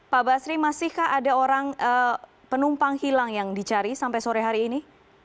pak basri masihkah ada orang penumpang hilang yang dicari sampai sore hari ini